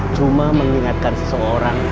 cuma mengingatkan seseorang